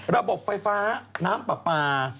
ระบบไฟฟ้าน้ำปลาปลา